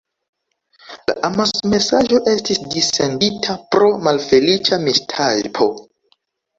La amasmesaĝo estis dissendita pro malfeliĉa mistajpo.